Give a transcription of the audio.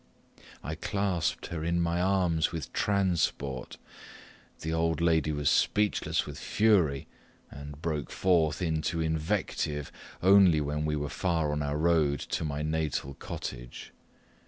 I clasped her in my arms with transport. The old lady was speechless with fury, and broke forth into invective only when we were far on our road to my natal cottage.